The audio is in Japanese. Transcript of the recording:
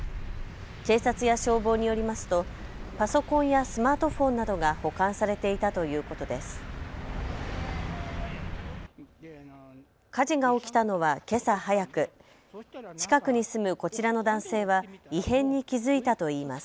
警察や消防によりますとパソコンやスマートフォンなどが保管されていたということです。